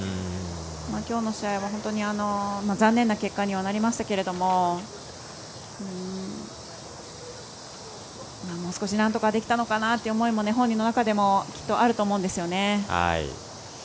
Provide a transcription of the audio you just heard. きょうの試合は本当に残念な結果にはなりましたけれどももう少し、なんとかできたのかなという思いが本人の中にもあるんじゃないかなと思います。